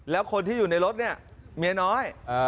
แล้วคนที่อยู่ในรถเนี่ยเมียน้อย